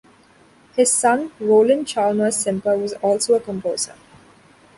His son, Roland Chalmers Simper was also a composer.